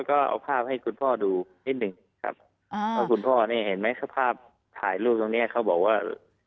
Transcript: ก็เลยจับหน้าได้ว่า